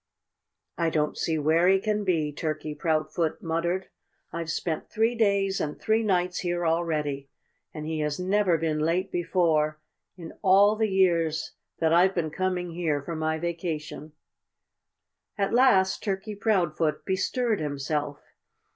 "I don't see where he can be," Turkey Proudfoot muttered. "I've spent three days and three nights here already. And he has never been late before in all the years that I've been coming here for my vacation." At last Turkey Proudfoot bestirred himself.